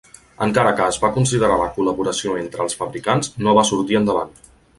Encara que es va considerar la col·laboració entre els fabricants, no va sortir endavant.